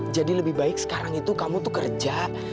jadi lebih baik sekarang itu kamu tuh kerja